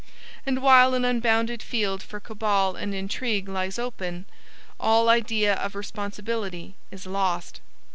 And while an unbounded field for cabal and intrigue lies open, all idea of responsibility is lost.